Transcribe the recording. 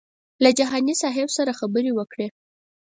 له جهاني صاحب سره خبرې وکړې.